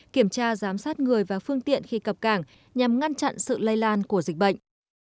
kiểm tra giám sát người và phương tiện khi cập cảng nhằm ngăn chặn sự lây lan của dịch bệnh